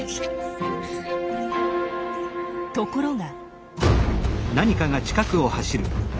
ところが。